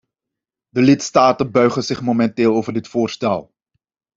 De lidstaten buigen zich momenteel over dit voorstel.